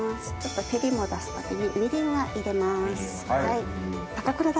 照りも出すためにみりんは入れます。